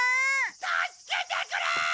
助けてくれ！